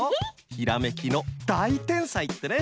ひらめきのだいてんさいってね！